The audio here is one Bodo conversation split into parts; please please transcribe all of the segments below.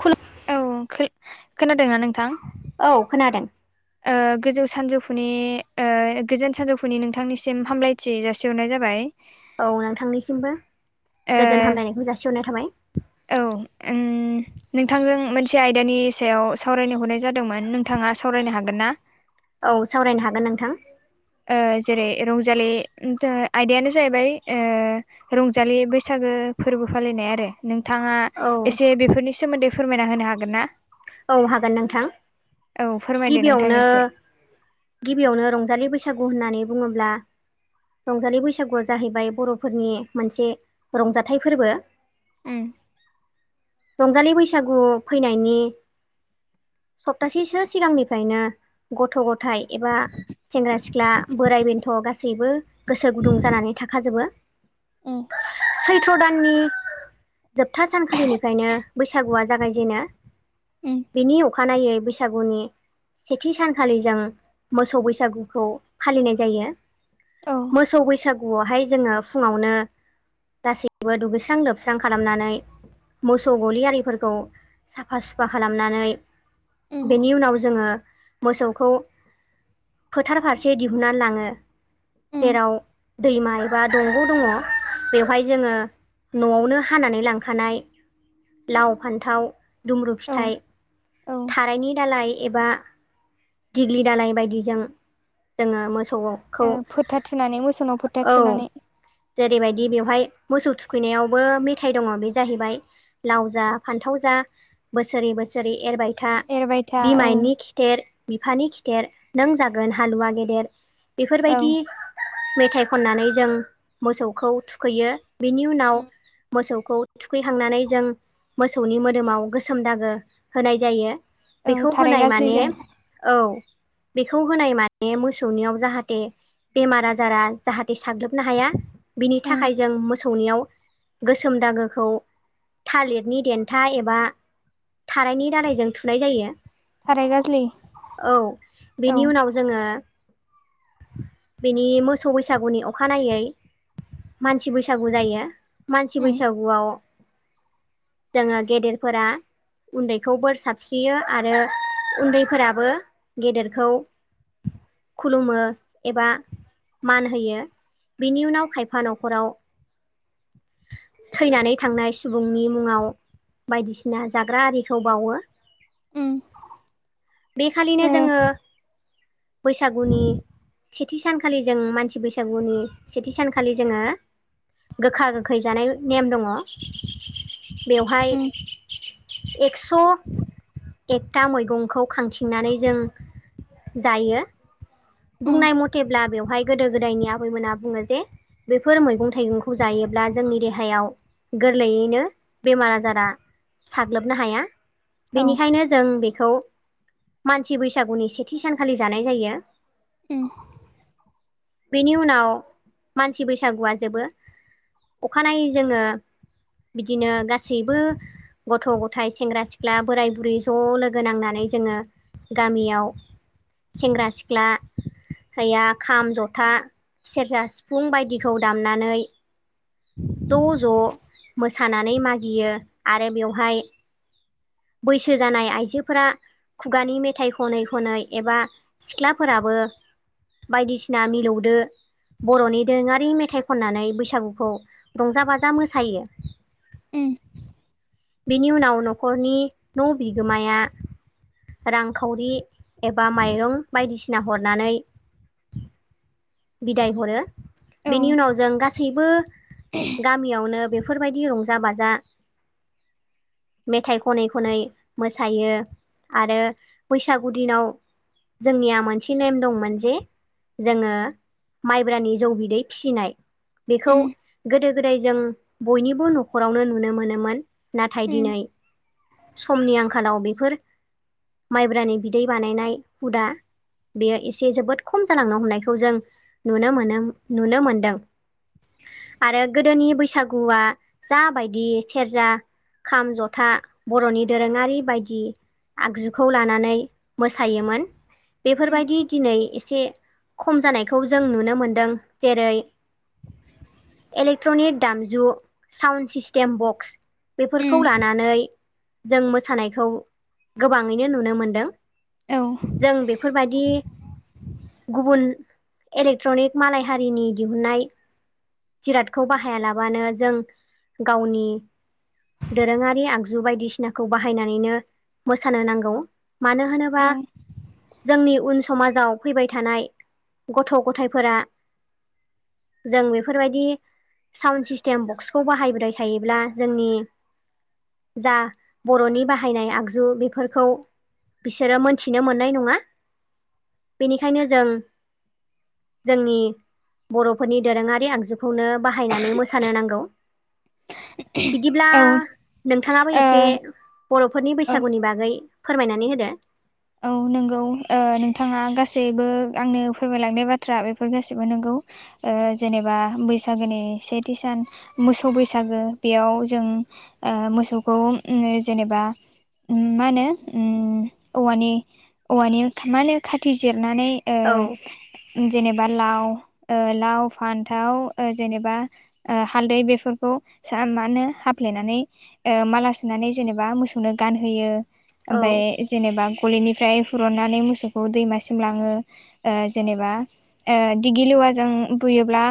खुलु खै खोनादोंना नोंथां? औ खोनादों। ओ गोजौ सानजौफुनि ओ गोजोन सानजौफुनि नोंथांनिसिम हामलाय थि जासि हरनाय जाबाय। औ नोंथांनिसिमबो ओ गोजोन हामलायनायखौ जासिहरनाय थाबाय। औ ओं नोंथांजों मोनसे आयदानि सायाव सावरायनो हरनाय जादोंमोन नोंथाङा सावरायनो हागोन ना? औ सावरायनो हागोन नोंथां। ओ जेरै रंजालि आयदायानो जाहैबाय ओ रंजालि बैसागो फोरबो फालिनाय आरो। नोंथाङा औ एसे बेफोरनि सोमोन्दै फोरमायना होनो हागोन ना? औ हागोन नोंथां औ फोरमायदो नोंथां गिबियावनो एसे गिबियावनो रंजालि बैसागु होननानै बुङोब्ला रंजालि बैसागुआ जाहैबाय बर'फोरनि मोनसे रंजाथाइ फोरबो। उम। रंजालि बैसागु फैनायनि सप्तासेसो सिगांनिफ्रायनो गथ' गथाइ एबा सेंग्रा सिख्ला बोराइ बेन्थ' गासैबो गोसो गुदुं जानानै थाखाजोबो। उम सैथ्र' दाननि जोबथा सानखालिनिफ्रायनो बैसागुआ जागायजेनो। उम बिनि अखानायै बैसागुनि सेथि सानखालि जों मोसौ बैसागुखौ फालिनाय जायो। औ मोसौ बैसागुआवहाय जोङो फुङावनो गासैबो दुगैस्रां लोबस्रां खालामनानै मोसौ गलि आरिफोरखौ साफा सुफ साफा खालामनानै उम बेनि उनाव जोङो मोसौखौ फोथार फारसे दिहुननानै लाङो। उम जेराव दैमा एबा दंग' दङ बेवहाय जोङो न'आवनो हानानै लांखानाय लाव, फान्थाव, दुम्रु औ थाय औ थारायनि दालाय एबा दिग्लि दालाय बायदिजों जोङो मोसौआव फोथा थुनानै मोसौनाव फोथा थुनानै जेरैबायदि बेवहाय मोसौ थुखैनायावबो मेथाइ दङ बे जाहैबाय लाव जा, फान्थाव जा, बोसोरै बोसोरै एरबाय था एरबाय था औ बिमानि खिथेर बिफानि खिथेर नों जागोन हालुवा गेदेर औ बेफोरबायदि मेथाइ खननानै जों मोसौखौ थुखैयो। बिनि उनाव मोसौखौ थुखैखांनानै जों मोसौनि मोदोमाव गोसोम दागो होनाय जायो औ बेखौ थाराय होनाय माने गाज्लिजों औ बेखौ होनाय माने मोसौनियाव जाहाथे बेमार आजारा जाहाथे साग्लोबनो हाया बिनि थाखाय जों मोसौनियाव गोसोम दागोखौ थालिरनि देन्था एबा थारायनि दालायजों थुनाय जायो। थाराय गाज्लि औ औ बेनि ओ उनाव जोङो बेनि मोसौ बैसागुनि अखानायै मानसि बैसागु जायो। मानसि बैसागुआव जोङो गेदेरफोरा उन्दैखौ बोर साबस्रियो आरो उन्दैफोराबो गेदेरखौ खुलुमो एबा मान होयो। बिनि उनाव खायफा न'खराव थैनानै थांनाय सुबुंनि मुङाव बायदिसिना होनना जाग्रा आरिखौ बावो ओम बेखालिनो जोङो बैसागुनि सेथि सान खालि जों मानसि बैसागुनि सेथि सानखालि जोङो गोखा गोखै जानाय नेम दङ बेवहाय औ एक्स' एकथा मैगंखौ खांथिंनानै जों जायो बुंनाय मथेब्ला बेवहाय गोदो गोदायनि आबैमोना बुङो जे बेफोर मैगं -थाइगंखौ जायोब्ला जोंनि देहायाव गोरलैयैनो बेमार आजारा साग्लोबनो हाया। ओ बेनिखायनो जों बेखौ मानसि बैसागुनि सेथि सानखालि जानाय जायो। ओम बेनि उनाव मानसि बैसागुआ जोबो अखानायै जोङो बिदिनो गासैबो गथ', गथाय, सेंग्रा, सिख्ला, बोराय, बुरै ज' लोगो नांनानै जोङो गामियाव सेंग्रा -सिख्ला हैया खाम, जथा, सेरजा, सिफुं बायदिखौ दामनानै उम ज' ज' मोसानानै मागियो आरो बेवहाय बैसो जानाय आइजोफोरा खुगानि मेथाइ खनै खनै एबा सिख्लाफोराबो बायदिसिना मिलौदो बर'नि दोरोङारि मेथाइ खननानै बैसागुखौ रंजा बाजा मोसायो। उम बेनि उनाव न'खरनि न' बिगोमाया रांखावरि एबा माइरं बायदिसिना हरनानै बिदाय हरो बेनि उनाव जों गासैबो गामियावनो बे बेफोरबायदि रंजा बाजा मेथाइ ख खनै खनै मोसायो आरो बैसागु दिनाव जोंनिया मोनसे नेम दंमोन जे जोङो माइब्रानि जौ बिदै फिसिनाय बेखौ गोदो गोदाय जों बयनिबो न'खरावनो नुनो मोनोमोन नाथाय दिनै समनि आंखालाव बेफोर माइब्रानि बिदै बानायनाय हुदा बेयो एसे जोबोद खम जालांनो हमनायखौ जों नुनो मोनो नुनो मोनदों आरो गोदोनि बैसागुआ जाबायदि सेरजा खाम जथा बर'नि दोरोङारि बायदि आगजुखौ लानानै मोसायोमोन बेफोरबायदि दिनै एसे खम जानायखौ जों नुनो मोनदों जेरै इलेक्ट्रनिक दामजु साउन्ड सिस्टेम बक्स बेफोरखौ लानानै जों मोसानायखौ गोबाङैनो नुनो मोनदों जों बेफोरबायदि गुबुन एलेक्ट्रनिक मालाय हारिनि दिहुननाय जिरादखौ बाहाया लाबानो जों गावनि दोरोङारि आगजु बायदि बायदिसिनाखौ बाहायनानैनो मोसानो नांगौ मानो होनोबा जोंनि उन समाजाव फैबाय थानाय गथ' गथायाइफोरा जों बेफोरबायदि साउन्ड सिस्टेम बक्सखौ बाहायबाय थायोब्ला जोंनि जा बर'नि बाहायनाय आगजु बेफोरखौ बिसोरो मोनथिनो मोननाय नङा बेनिखायनो जों जोंनि बर'फोरनि दोरोङारि आगजुखौनो बाहायनानै मोसानो नांगौ बिदिब्ला नोंथाङाबो एसे एसे बर'फोरनि औ बैसागुनि बागै फोरमायनानै होदो औ नंगौ ओ नोंथाङा गासैबो आंनो फोरमायलांनाय बाथ्रा बेफोर गासैबो नोंगौ ओ जेनेबा बैसागोनि सेथि सान मोसौ बैसागो बेयाव जों ओ मोसौखौ जेनेबा मा होनो ओम औवानि औवानि मा होनो खाथि जिरनानै औ ओ जेनेबा लाव लाव फान्थाव जेनेबा हालदै बेफोरखौ सा मा होनो हाफ्लेनानै ओ माला सुनानै जेनेबा मोसौनो गानहोयो औ आमफ्राय जेनेबा गलिनिफ्राय हुरुननानै मोसौखौ दैमासिम लाङो ओ जेनेबा ओ दिग्लि लेवाजों बुयोब्ला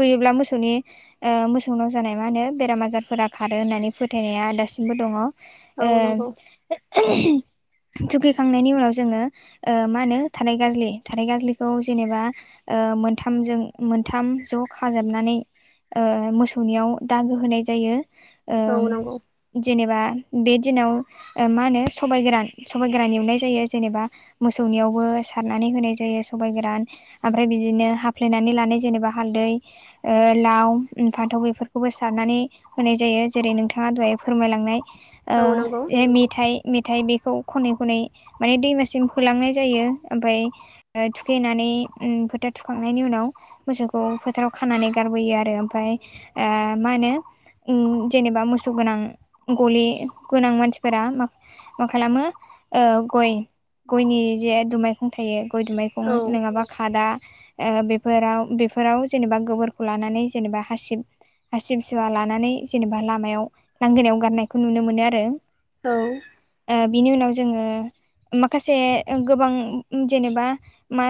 बुयोब्ला मोसौनि ओ मोसौनाव जानाय मा होनो बेराम आजारफोरा खारो होननानै फोथायनाया दासिमबो दङ ओ औ नंगौ [unintelligible] थुखैखांनायनि उनाव जोङो ओ मा होनो थाराइ गाज्लि थाराइ गाज्लिखौ जेनेबा ओ मोनथामजों मोनथाम ज' खाजोबनानै ओ मोसौनियाव दागो होनाय जायो ओं औ नंगौ जेनेबा बे दिनाव ओ माहोनो सबाय गोरान सबाय गोरान एवनाय जायो जेनेबा मोसौनियावबो सारनानै होनाय जायो सबाइ गोरान आमफ्राय बिदिनो हाफ्लेनानै लानाय जेनेबा हालदै ओ लाव उम फानथाव इफोरखोबो सारनानै होनाय जायो जेरै नोंथाङा दहाय फोरमायलांनाय ओ औ नंगौ जे मेथाइ मेथाइ बेखौ खनै खनै माने दैमासिम फोलांनाय जायो ओमफाय ओ थुखैनानै उम फोथा थुखांनायनि उनाव मोसौखौ फोथाराव खानानै गारबोयो आरो ओमफ्राय ओह मा होनो उम जेनेबा मोसौ गोनां गलि गोनां मानसिफोरा मा मा खालामो ओउ गय-गयनि जे दुमायखं थायो गय दुमायखं औ नोङाबा खादा ओह बेफोराव बेफोराव जेनेबा गोबोरखौ लानानै जेनेबा हासिब हासिबिसुवा लानानै जेनेबा लामायाव लांगोनायाव गारनायखौ नुनो मोनो आरो औ ओ बिनि उनाव जोङो माखासे गोबां जेनेबा मा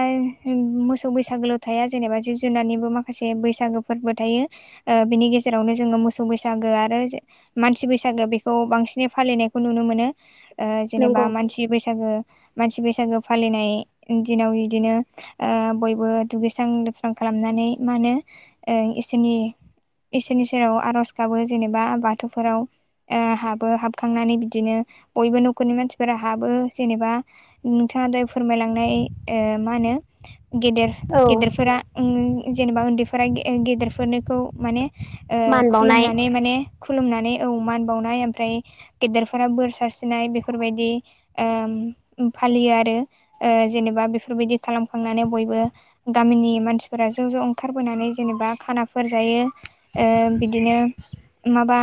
मोसौ बैसागोल' थाया जेनेबा जिब जुनारनिबो माखासे बैसागोफोरबो थायो ओ बिनि गेजेरावनो जोङो मोसौ बैसागो आरो जे मानसि बैसागो बेखौ बांसिनै फालिनायखौ नुनो मोनो ओ नंगौ जेनेबा मानसि बैसागो मानसि बैसागो फालिनाय दिनाव बिदिनो ओ बयबो दुगैस्रां लोबस्रां खालामनानै मा होनो ओ इसोरनि इसोरनि सेराव आर'ज गाबो जेनेबा बाथौफोराव ओ हाबो हाबखांनानै बिदिनो बयबो न'ख खरनि मानसिफोरा हाबो जेनेबा नोंथाङा दहाय फोरमायलांनाय ओ मा होनो गेदेर औ गेदेरफोरा उम जेनेबा उन्दैफोरा गेदेरनिखौ माने ओ मान बावनाय खुलुमनानै माने खुलुमनानै औ मान बावनाय ओमफ्राय गेदेरफोरा बोर सारस्रिनाय बेफोरबायदि ओ फालियो आरो ओ जेनेबा बेफोरबायदि खालामखांनानै बयबो गामिनि मानसिफोरा ज' ज' ओंखारबोनानै जेनेबा खानाफोर जायो ओह बिदिनो माबा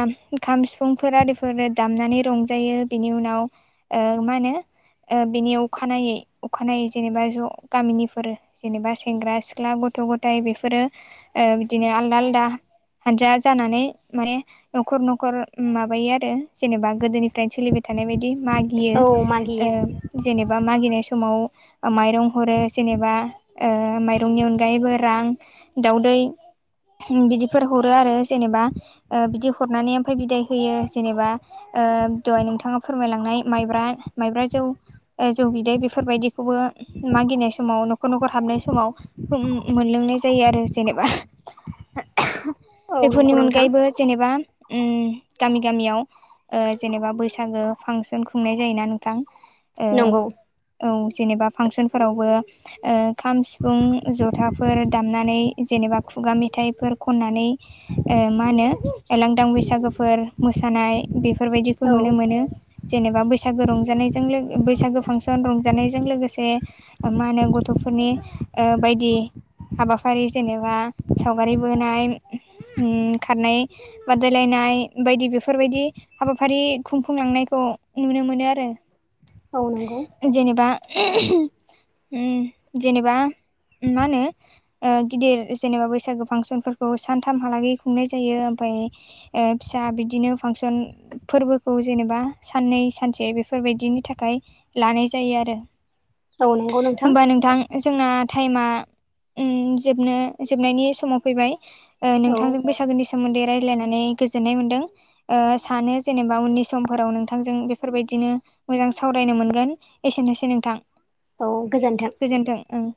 खाम सिफुंफोर आरिफोरो दामनानै रंजायो बिनि उनाव ओ मा होनो ओ बेनि अखानायै अखानायै जेनेबा ज' गामिनिफोरो जेनेबा सेंग्रा सिख्ला गथ' गथाय बेफोरो ओ बिदिनो आलदा आलदा हानजा जानानै माने न'खर न'खर उम माबायो आरो जेनेबा गोदोनिफ्रायनो सोलिबाय थानाय बायदि मागियो औ ओ मागियो जेनेबा मागिनाय समाव ओ माइरं हरो जेनेबा ओह माइरंनि अनगायैबो रां दावदै बिदिफोर हरो आरो जेनेबा ओह बिदि हरनानै ओमफाय बिदाय होयो जेनेबा ओ दहाय नोंथाङा फोरमायलां थांनाय माइब्रा माइब्रा जौ ओ जौ बिदै बेफोरबायदिखौबो मागिनाय समाव न'खर न'खर हाबनाय समाव उम मोनलोंनाय जायो आरो जेनेबा औ [inaudible] बेफोरनि नंगौ नोंथां अनगायैबो जेनेबा उम गामि गामियाव ओ जेनेबा बैसागो फांसन खुंनाय जायोना नोंथां ओ नंगौ औ जेनेबा फांसनफोरावबो ओ खाम सिफुं जथाफोर दामनानै जेनेबा खुगा मेथाइफोर खन्नानै मा होनो लांदां बैसागोफोर मोसानाय बेफोरबायदिखौ औ नुनो मोनो जेनेबा बैसागो रंजानायजों बैसागो फांसन रंजानायजों लोगोसे मा होनो गथ'फोरनि ओ बायदि हाबाखालि जेनेबा सावगारि बोनाय ओ खारनादंमोन श सावगारि बोनाय खारनाय बादायलायनाय बायदि बेफोरबायदि हाबाफारि खुंफुंलांनाय खौ नुनो मोनो आरो। औ नोंगौ जेनेबा जेनेबा मा होनो गिदिर जेनेबा बैसागु फांसनफोरखौ सानथामहालागै खुंनाय जायो ओमफाय ओ फिसा बिदिनो फांसन फोरबोखौ जेनेबा साननै सानसे बेफोरबायदिनि थाखाय लानाय जायो आरो औ नंगौ होमबा नोंथां जोंना टाइमा उम जोबनो जोबनायनि समाव फैबाय औ नोंथांजों बैसागोनि सो मोन्दै रायजलायनानै गोजोननाय मोनदों ओ सानो जेनेबा उननि समफोराव नोंथां जों बेफोरबायदिनो मोजां सावरायनो मोनगोन एसेनोसै नोंथां औ गोजोन्थों गोजोनथों ओं